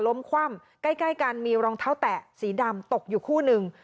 คว่ำใกล้กันมีรองเท้าแตะสีดำตกอยู่คู่หนึ่ง